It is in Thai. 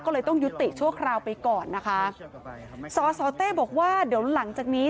ก็เลยต้องยุติชั่วคราวไปก่อนนะคะสสเต้บอกว่าเดี๋ยวหลังจากนี้